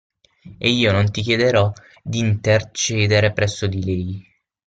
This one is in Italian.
E io non ti chiederò d'intercedere presso di lei.